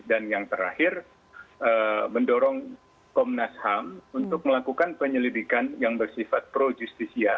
dan yang terakhir mendorong komnas ham untuk melakukan penyelidikan yang bersifat pro justisia